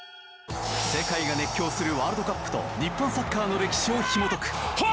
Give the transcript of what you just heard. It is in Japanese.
世界が熱狂するワールドカップと日本サッカーの歴史をひも解く。